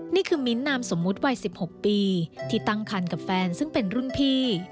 มิ้นท์นามสมมุติวัย๑๖ปีที่ตั้งคันกับแฟนซึ่งเป็นรุ่นพี่